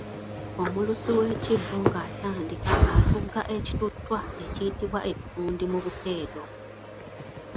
Omulusi w'ekibbo ng'atandika atugga ekituttwa ekiyitibwa ekkundi mu bukeedo